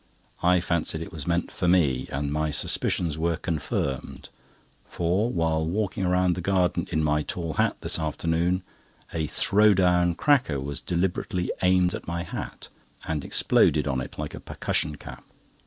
I fancied it was meant for me, and my suspicions were confirmed; for while walking round the garden in my tall hat this afternoon, a "throw down" cracker was deliberately aimed at my hat, and exploded on it like a percussion cap.